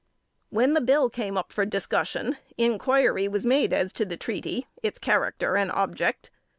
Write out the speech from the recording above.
When the bill came up for discussion, inquiry was made as to the treaty, its character and object.